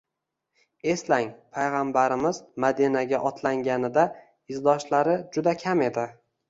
Eslang, payg‘ambarimiz Madinaga otlanganida izdoshlari juda kam edi